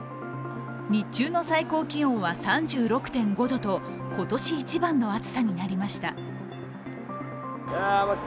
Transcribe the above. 日中の最高気温は３６．５度と、今年一番の暑さになりました。